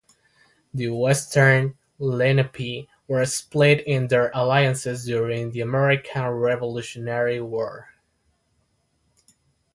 The western Lenape were split in their alliances during the American Revolutionary War.